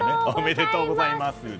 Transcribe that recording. おめでとうございます！